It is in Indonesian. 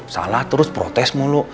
salah terus protes mulu